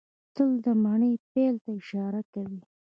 تله د مني پیل ته اشاره کوي.